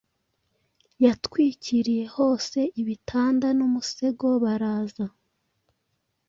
yatwikiriye hose ibitanda n umusego baraza